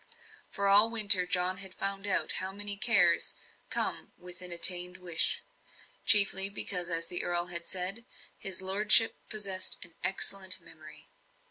For, all winter, John had found out how many cares come with an attained wish. Chiefly, because, as the earl had said, his lordship possessed an "excellent memory."